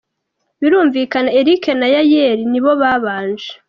Birumvikana Eric na Yayeli ni bo babanje.